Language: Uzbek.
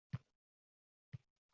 Ulug‘ shoirga ehtirom